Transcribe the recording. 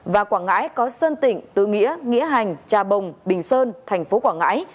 và quảng ngãi có sơn tỉnh tư nghĩa nghĩa hành trà bồng bình sơn thành phố quảng ngãi